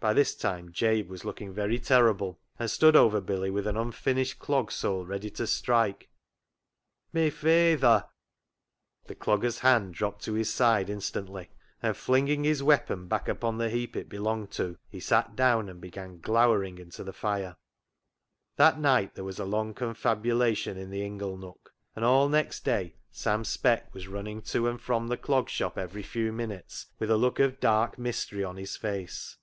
By this time Jabe was looking very terrible, and stood over Billy with an unfinished clog sole ready to strike. " My fayther." The dogger's hand dropped to his side instantly, and flinging his weapon back upon the heap it belonged to, he sat down and began glowering into the fire. That night there was a long confabulation in the ingle nook, and all next day Sam Speck was running to and from the Clog Shop every few minutes with a look of dark mystery on his face.